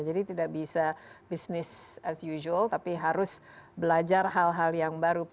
jadi tidak bisa bisnis as usual tapi harus belajar hal hal yang baru